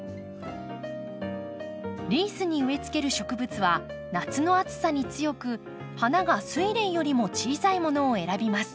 リースに植えつける植物は夏の暑さに強く花がスイレンよりも小さいものを選びます。